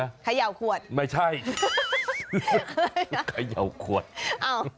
ขย่าขวดไม่ใช่ขย่าขวด้วยล่ะ